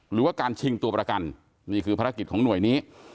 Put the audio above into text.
หรือว่าการชิงตัวประกันนี่คือภารกิจของหน่วยนี้